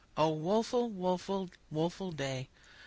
O woful, woful, woful day!